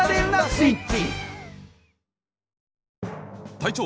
隊長！